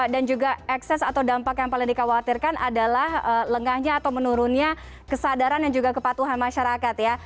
dan juga ekses atau dampak yang paling dikhawatirkan adalah lengahnya atau menurunnya kesadaran dan juga kepatuhan masyarakat ya